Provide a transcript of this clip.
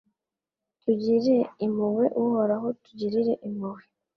Tugirire impuhwe Uhoraho tugirire impuhwe